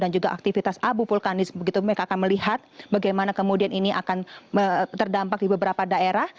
juga aktivitas abu vulkanis begitu mereka akan melihat bagaimana kemudian ini akan terdampak di beberapa daerah